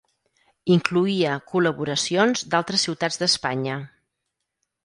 Incloïa col·laboracions d'altres ciutats d'Espanya.